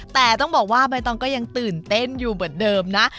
แต่ต้องบอกว่าใบตองก็ยังตื่นเต้นอยู่เหมือนเดิมนะ